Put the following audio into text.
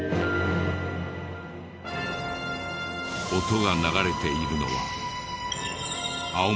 音が流れているのは。